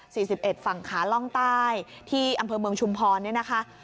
สิบเอ็ดฝั่งขาล่องใต้ที่อำเภอเมืองชุมพรเนี่ยนะคะ